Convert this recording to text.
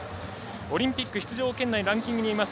オリンピック出場圏内のランキングにいます